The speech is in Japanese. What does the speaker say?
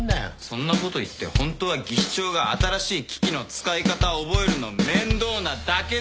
そんなこと言ってホントは技師長が新しい機器の使い方覚えるの面倒なだけですよね？